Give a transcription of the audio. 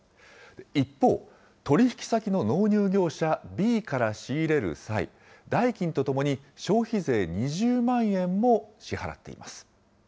一方、取り引き先の納入業者Ｂから仕入れる際、代金と共に消費税２０万円も支払っています。